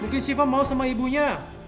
mungkin siva mau sama ibunya